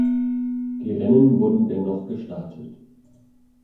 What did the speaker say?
Die Rennen wurden dennoch gestartet.